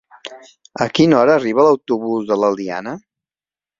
A quina hora arriba l'autobús de l'Eliana?